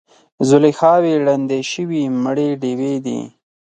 زلیخاوې ړندې شوي مړې ډیوې دي